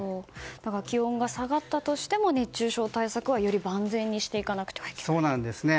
気温が下がったとしても熱中症対策はより万全にしていかなくてはいけないと。